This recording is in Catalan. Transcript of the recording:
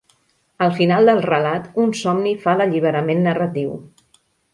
Al final del relat, un somni fa l'alliberament narratiu.